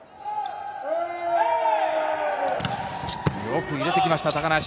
よく入れてきました高梨。